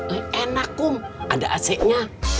eh enak om ada ac nya